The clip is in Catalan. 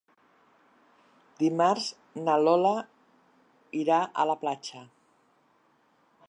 Dimarts na Lola irà a la platja.